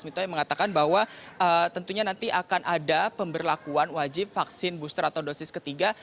minto yang mengatakan bahwa tentunya nanti akan ada pemberlakuan wajib vaksin booster atau dosis ketiga